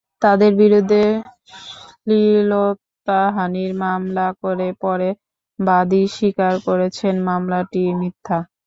তাঁদের বিরুদ্ধে শ্লীলতাহানির মামলা করে পরে বাদীই স্বীকার করেছেন মামলাটি মিথ্যা।